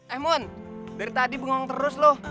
eh mun dari tadi bengong terus loh